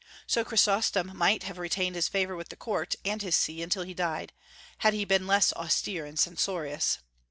So Chrysostom might have retained his favor with the court and his see until he died, had he been less austere and censorious.